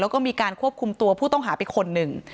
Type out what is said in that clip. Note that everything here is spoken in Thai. แล้วก็มีการควบคุมตัวผู้ต้องหาไปคนหนึ่ง